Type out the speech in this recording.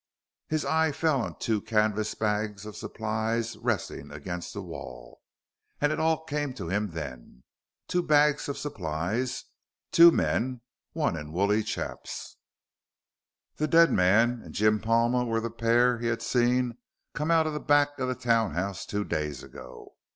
His eye fell on two canvas bags of supplies resting against the wall. And it all came to him then. Two bags of supplies. Two men. One in woolly chaps. The dead man and Jim Palma were the pair he had seen come out of the back of the townhouse two days ago!